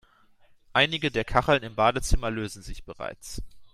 Einige der Kacheln im Badezimmer lösen sich bereits.